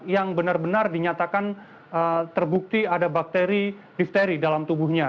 yang benar benar dinyatakan terbukti ada bakteri difteri dalam tubuhnya